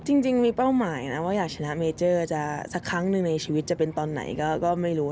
จริงมีเป้าหมายนะว่าอยากชนะเมเจอร์จะสักครั้งหนึ่งในชีวิตจะเป็นตอนไหนก็ไม่รู้